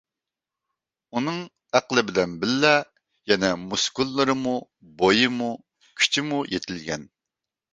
ئۇنىڭ ئەقلى بىلەن بىللە يەنە مۇسكۇللىرىمۇ، بويىمۇ، كۈچىمۇ يېتىلگەن.